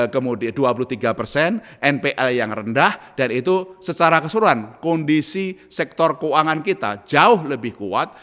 kemudian dua puluh tiga persen npl yang rendah dan itu secara keseluruhan kondisi sektor keuangan kita jauh lebih kuat